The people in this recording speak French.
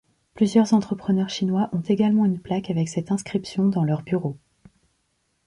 Plusieurs entrepreneurs chinois ont également une plaque avec cette inscription dans leur bureau.